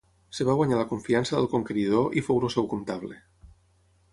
Es va guanyar la confiança del conqueridor i fou el seu comptable.